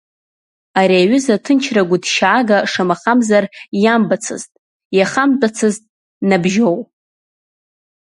Ари аҩыза аҭынчра гәыҭшьаага шамахамзар иамбацызт, иахамтәацызт Набжьоу!